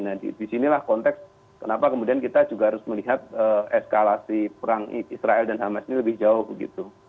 nah disinilah konteks kenapa kemudian kita juga harus melihat eskalasi perang israel dan hamas ini lebih jauh begitu